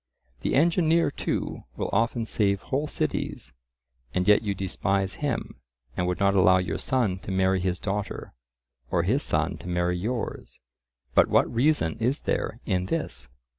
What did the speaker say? The engineer too will often save whole cities, and yet you despise him, and would not allow your son to marry his daughter, or his son to marry yours. But what reason is there in this?